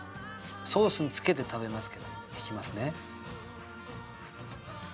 ソースにつけて食べますけどもいきますね。